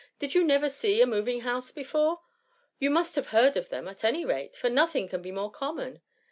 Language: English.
*' Did you never see a moving house before ? You must have heard of them at any rate, for nothing can be more common.